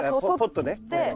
ポットね。